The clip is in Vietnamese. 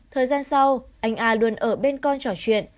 thời gian sau anh a luôn ở bên con trò chuyện